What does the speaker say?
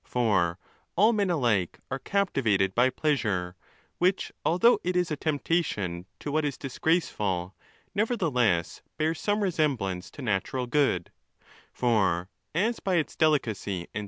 For all men alike are captivated by pleasure, which, although it is a temptation to what is disgraceful, nevertheless bears some resemblance to natural good; for, as by its delicacy and.